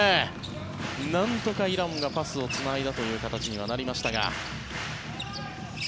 なんとかイランがパスをつないだ形になりましたが。